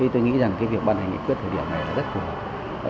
tôi nghĩ rằng việc ban hành nghị quyết thời điểm này là rất phù hợp